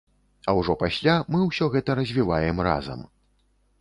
А ўжо пасля мы ўсё гэта развіваем разам.